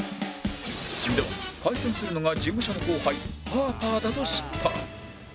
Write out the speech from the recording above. では解散するのが事務所の後輩パーパーだと知ったら？